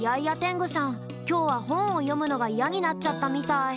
きょうはほんをよむのがイヤになっちゃったみたい。